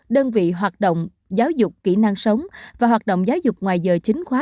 đơn vị hoạt động giáo dục kỹ năng sống và hoạt động giáo dục ngoài giờ chính khóa